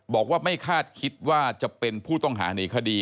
บอกว่าไม่คาดคิดว่าจะเป็นผู้ต้องหาหนีคดี